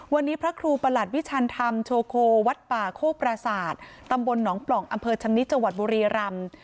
วันนี้พระครูประหลัดวิชันธรรมโชโควัดป่าโคกประสาทตำบลหนองปล่องอำเภอชำนิจังหวัดบุรีรำ